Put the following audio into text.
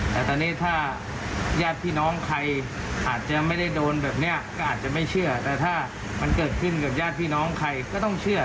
แต่ตอนนี้ถ้าญาติพี่น้องใครอาจจะไม่ได้โดนแบบนี้ก็อาจจะไม่เชื่อแต่ถ้ามันเกิดขึ้นกับญาติพี่น้องใครก็ต้องเชื่อ